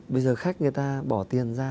bây giờ khách người ta bỏ tiền ra